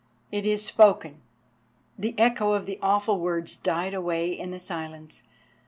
It is spoken!_" The echo of the awful words died away in the silence.